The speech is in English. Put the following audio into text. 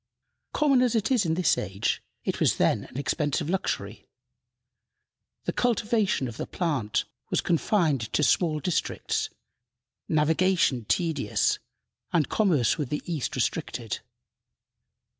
Common as it is in this age, it was then an expensive luxury. The cultivation of the plant was confined to small districts, navigation tedious, and commerce with the East restricted.